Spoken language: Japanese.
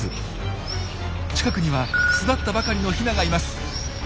近くには巣立ったばかりのヒナがいます！